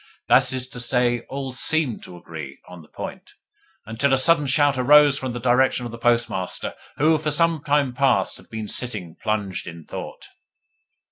That is to say, all SEEMED to agree on the point; until a sudden shout arose from the direction of the Postmaster, who for some time past had been sitting plunged in thought.